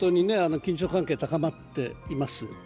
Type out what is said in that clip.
緊張関係高まっています。